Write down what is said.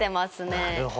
なるほど。